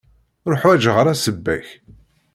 Ur ḥwajeɣ ara ssebba-k.